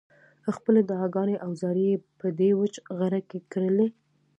خپلې دعاګانې او زارۍ یې په دې وچ غره کې کرلې.